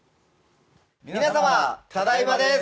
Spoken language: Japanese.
皆様、ただいまです。